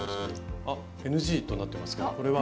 あＮＧとなってますけどこれは？